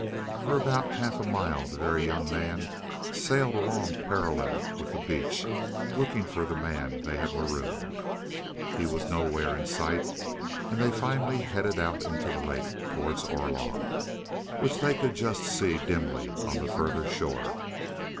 For about half a mile the Very Young Man sailed along parallel with the beach, looking for the man they had marooned. He was nowhere in sight, and they finally headed out into the lake towards Orlog, which they could just see dimly on the further shore.